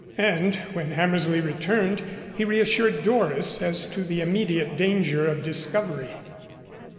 And when Hammersley returned, he reassured Doris as to the immediate danger of discovery.